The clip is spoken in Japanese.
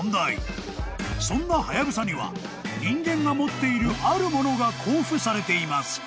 ［そんなハヤブサには人間が持っているあるものが交付されています］